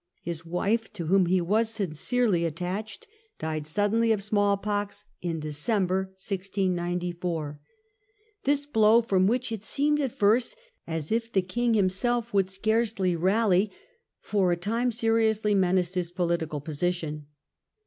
His wife, to whom he was sincerely attached, died suddenly Death of of small pox in December, 1694. This blow, Mary. fj.Qjjj ^hich it seemed at first as if the king himself would scarcely rally, for a time seriously menaced his political position.